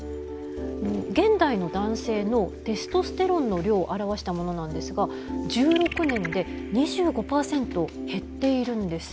現代の男性のテストステロンの量を表したものなんですが１６年で２５％減っているんです。